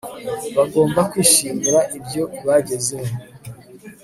bagomba kwishimira ibyo bagezeho